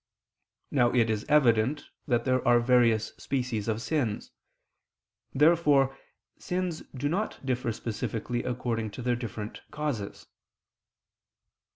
Now it is evident that there are various species of sins. Therefore sins do not differ specifically according to their different causes.